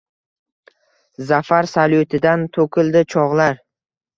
Zafar salyutidan to’kildi cho’g’lar.